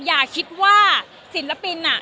อย่าคิดว่าศิลปิน